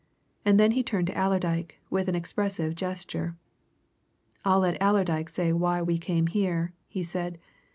And then he turned to Allerdyke, with an expressive gesture. "I'll let Allerdyke say why we came here," he said.